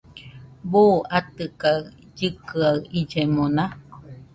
¿Buu atɨka llɨkɨa illemona?